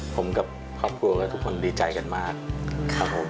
ผมกับครอบครัวกับทุกคนดีใจกันมาก